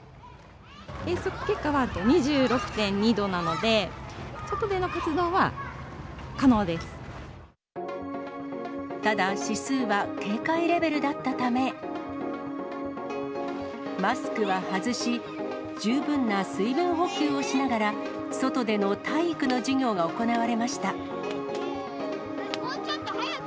計測結果は２６．２度なので、ただ、指数は警戒レベルだったため、マスクは外し、十分な水分補給をしながら、外での体育の授業が行われました。